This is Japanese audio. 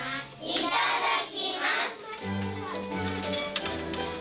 いただきます。